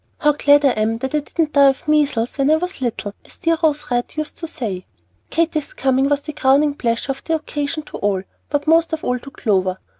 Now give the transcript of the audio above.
How glad I am that I didn't die of measles when I was little, as dear Rose Red used to say." Katy's coming was the crowning pleasure of the occasion to all, but most of all to Clover.